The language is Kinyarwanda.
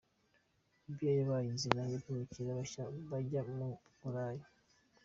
Libya yabaye inzira y’abimukira bashaka kujya i Burayi.